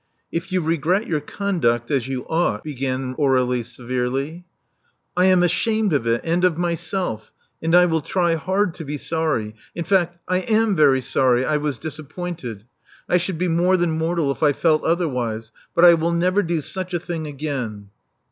If you regret your conduct as you ought," began Aur^lie severely. I am ashamed of it and of myself; and I will try hard to be sorry — in fact, I am very sorry I was dis appointed. I should be more than mortal if I felt otherwise. But I will never do such a thing again."